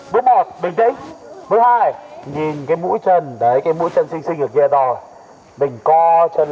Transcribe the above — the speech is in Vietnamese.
này này bước một bình tĩnh bước hai nhìn cái mũi chân đấy cái mũi chân xinh xinh ở kia rồi mình co chân